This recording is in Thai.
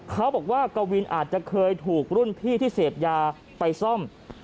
เขาบอกว่ากวินอาจจะเคยถูกรุ่นพี่ที่เสพยาไปซ่อม